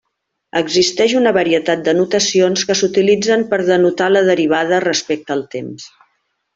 Existeix una varietat de notacions que s'utilitzen per denotar la derivada respecte al temps.